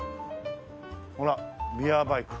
ほらビアバイク。